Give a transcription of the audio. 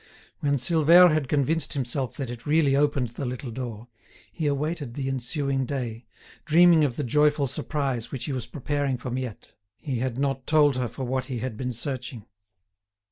When Silvère had convinced himself that it really opened the little door, he awaited the ensuing day, dreaming of the joyful surprise which he was preparing for Miette. He had not told her for what he had been searching.